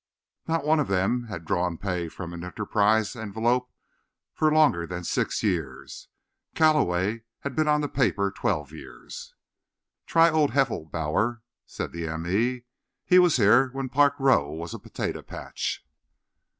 Not one of them had drawn pay from an Enterprise envelope for longer than six years. Calloway had been on the paper twelve years. "Try old Heffelbauer," said the m. e. "He was here when Park Row was a potato patch."